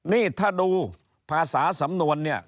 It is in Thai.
นี่ถ้าดูภาษาสำนวนเนี่ย